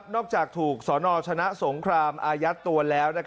จากถูกสนชนะสงครามอายัดตัวแล้ว